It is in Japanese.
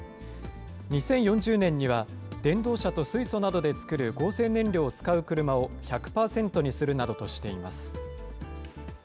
２０４０年には電動車と水素などで作る合成燃料を使う車を１００％にするなどとしています。